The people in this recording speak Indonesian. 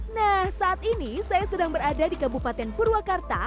nah saat ini saya sedang berada di kabupaten purwakarta